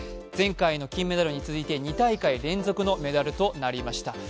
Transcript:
前回の金メダルに続いて２大会連続のメダルとなりました。